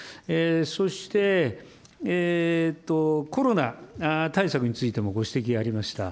そして、コロナ対策についてもご指摘がありました。